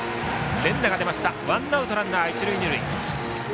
連打が出ました、ワンアウトランナー、一塁二塁。